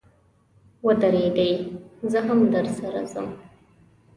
و درېږئ، زه هم درسره ځم.